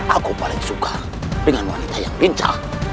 aku paling suka dengan wanita yang lincah